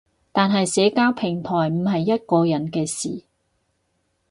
但係社交平台唔係一個人嘅事